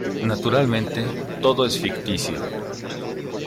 Naturalmente, todo es ficticio.